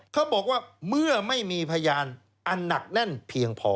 เขาบอกว่าเมื่อไม่มีพยานอันหนักแน่นเพียงพอ